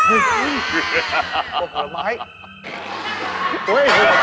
เออผลไมค์